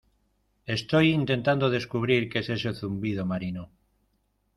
estoy intentando descubrir que es ese zumbido marino.